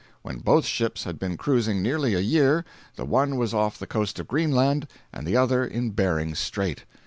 When both ships had been cruising nearly a year, the one was off the coast of Greenland and the other in Behring's Strait.